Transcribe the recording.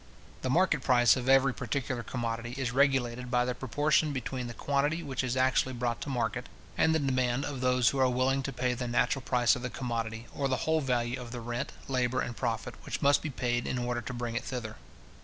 The market price of every particular commodity is regulated by the proportion between the quantity which is actually brought to market, and the demand of those who are willing to pay the natural price of the commodity, or the whole value of the rent, labour, and profit, which must be paid in order to bring it thither.